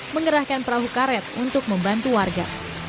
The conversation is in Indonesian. mengerahkan perahu karet untuk membantu warga